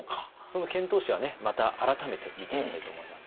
その遣唐使はねまた改めて見ていきたいと思いますけれども。